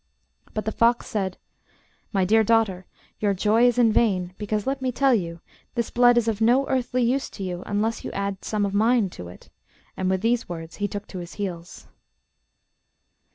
But the fox said, 'My dear daughter, your joy is in vain, because, let me tell you, this blood is of no earthly use to you unless you add some of mine to it,' and with these words he took to his heels.